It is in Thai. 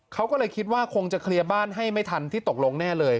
เขาก็เลยคิดว่าคงจะเคลียร์บ้านให้ไม่ทันที่ตกลงแน่เลย